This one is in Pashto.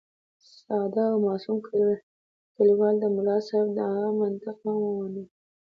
ساده او معصوم کلیوال د ملا صاحب دا منطق هم ومنلو.